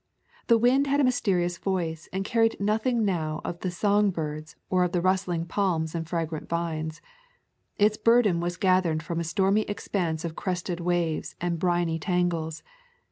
The wind had a mysterious voice and carried nothing now of the songs of birds or of the rus tling of palms and fragrant vines. Its burden was gathered from a stormy expanse of crested waves and briny tangles.